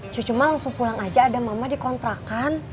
cucu mah langsung pulang aja ada mama dikontrakan